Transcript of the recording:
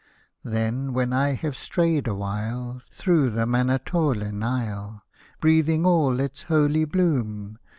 Then, when I have strayed a while Through the Manataulin isle. Breathing all its holy bloom.